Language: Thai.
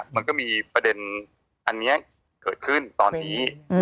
มันจะมีประเด็นเกิดขึ้นตอนนี้